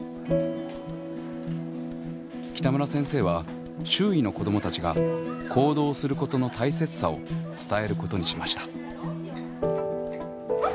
北村先生は周囲の子どもたちが行動することの大切さを伝えることにしました。